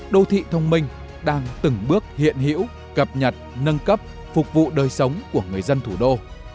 đô thị thông minh đang từng bước hiện hiểu cập nhật nâng cấp phục vụ đời sống của người dân thủ đô